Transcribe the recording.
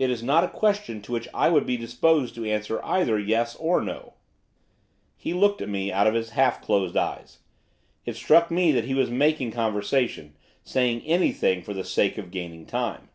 'It is not a question to which I should be disposed to answer either yes or no.' He looked at me out of his half closed eyes. It struck me that he was making conversation, saying anything for the sake of gaining time.